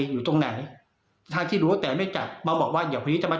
อยู่ตรงไหนทางที่รู้แต่ไม่จับมาบอกว่าเดี๋ยวพรุ่งนี้จะมา